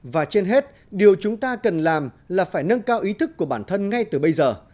và trên hết điều chúng ta cần làm là phải nâng cao ý thức của bản thân ngay từ bây giờ